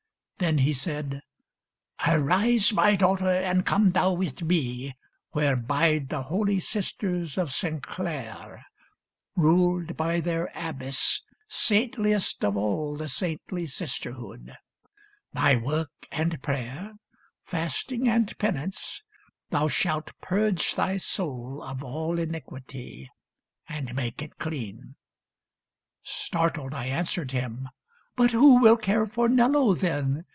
Then he said " Arise, my daughter, and come thou with me Where bide the holy sisters of St. Clare, Ruled by their abbess, saintliest of all The saintly sisterhood. By work and prayer, Fasting and penance, thou shalt purge thy soul Of all iniquity, and make it clean." Startled I answered him — ^'But who will care For Nello then